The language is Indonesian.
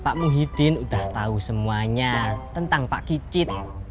pak muhyiddin sudah tahu semuanya tentang pak kicit